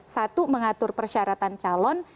satu mengatur persyaratan calon